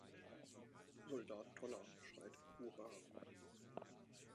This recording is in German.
Soldat Toller schreit "Hurra!